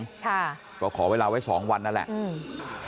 ค่ะก็ขอเวลาไว้สองวันนั่นแหละอืม